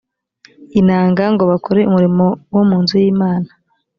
inanga ngo bakore umurimo wo mu nzu y imana